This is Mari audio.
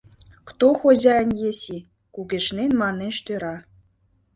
Кто хозяин еси? — кугешнен манеш тӧра.